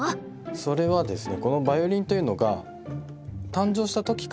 それはですね